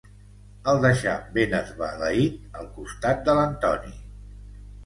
El deixà ben esbalaït al costat de l'Antoni.